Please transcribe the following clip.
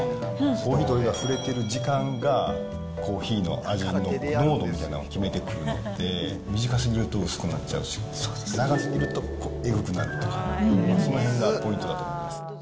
コーヒーとお湯が触れている時間が、コーヒーの味の濃度みたいなのを決めてくるので、短すぎると薄くなっちゃうし、長すぎるとえぐくなると、そのへんがポイントだと思います。